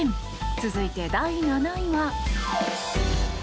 続いて第７位は。